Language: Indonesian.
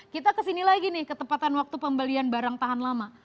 kita kesini lagi nih ketepatan waktu pembelian barang tahan lama